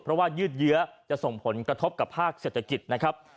เพราะว่ายืดเยื้อจะส่งผลกระทบกับภาคเศรษฐกิจนะครับ